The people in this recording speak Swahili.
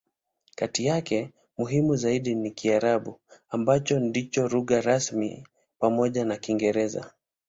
Kati yake, muhimu zaidi ni Kiarabu, ambacho ndicho lugha rasmi pamoja na Kiingereza.